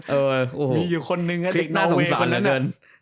มีอยู่คนนึงอ่ะเด็กนอลเวย์คนนั้นน่ะ